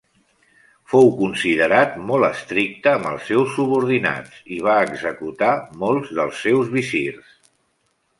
Fou considerat molt estricte amb els seus subordinats, i va executar molts dels seus visirs.